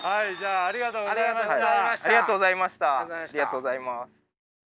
ありがとうございます。